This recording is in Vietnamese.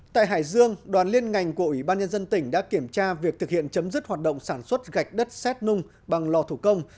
tại hải dương đoàn liên ngành của ủy ban nhân dân tỉnh đã kiểm tra việc thực hiện chấm dứt hoạt động sản xuất gạch đất xét nung bằng lò thủ công